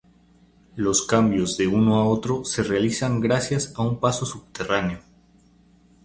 Los cambios de uno a otro se realizan gracias a un paso subterráneo.